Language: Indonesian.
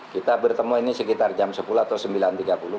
kita bertemu ini sekitar jam sepuluh atau sembilan tiga puluh